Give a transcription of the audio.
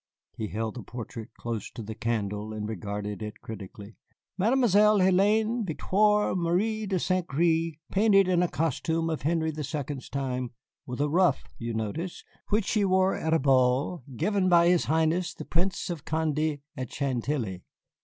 He held the portrait close to the candle and regarded it critically. "Mademoiselle Hélène Victoire Marie de Saint Gré, painted in a costume of Henry the Second's time, with a ruff, you notice, which she wore at a ball given by his Highness the Prince of Condé at Chantilly.